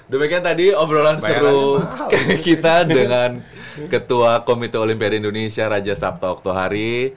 demikian tadi obrolan seru kita dengan ketua komite olimpiade indonesia raja sabta oktohari